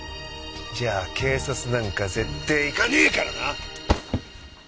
じゃあ警察なんか絶対行かねえからな！